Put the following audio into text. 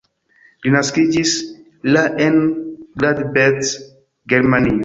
Li naskiĝis la en Gladbeck, Germanio.